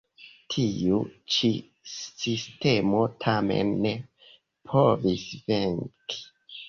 Tiu ĉi sistemo tamen ne povis venki.